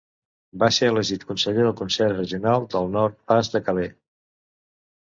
Va ser elegit conseller del Consell Regional de Nord-Pas-de-Calais.